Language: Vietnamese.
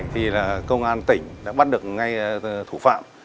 thì công an tỉnh đã bắt được ngay thủ phạm